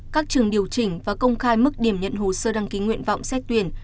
các trường điều chỉnh và công khai mức điểm nhận hồ sơ đăng ký nguyện vọng xét tuyển